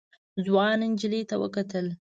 ځوان نجلۍ ته وکتل.